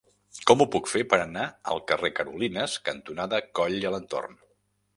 Com ho puc fer per anar al carrer Carolines cantonada Coll i Alentorn?